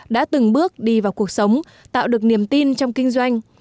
đã từng bước đi vào cuộc sống tạo được niềm tin trong kinh doanh